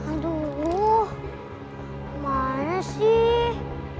aduh kemana sih